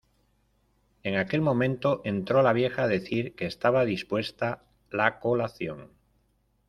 en aquel momento entró la vieja a decir que estaba dispuesta la colación.